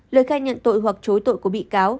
lời khai nhận tội hoặc chối tội của bị cáo